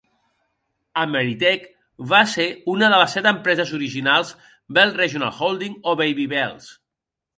Ameritech va ser una de les set empreses originals Bell Regional Holding o "Baby Bells".